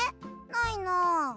ないな。